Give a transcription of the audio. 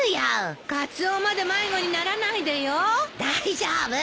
大丈夫。